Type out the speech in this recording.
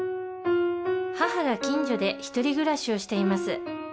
母が近所で独り暮らしをしています。